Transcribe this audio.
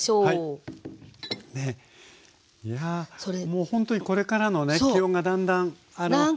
もうほんとにこれからのね気温がだんだん高くなってくるね。